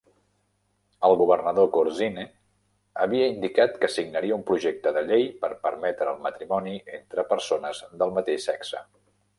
El governador Corzine havia indicat que signaria un projecte de llei per permetre el matrimoni entre persones del mateix sexe.